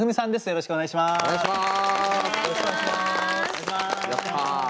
よろしくお願いします。